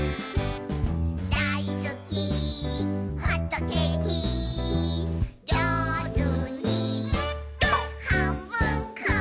「だいすきホットケーキ」「じょうずにはんぶんこ！」